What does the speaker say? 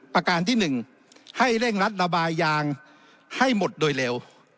ประการที่๑ให้เร่งรัดระบายยางให้หมดโดยเร็ว